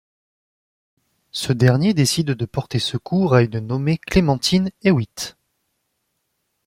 Ce dernier décide de porter secours à une nommée Clementine Hewitt.